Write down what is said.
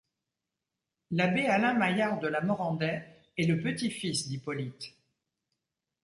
L'abbé Alain Maillard de La Morandais est le petit-fils d'Hippolyte.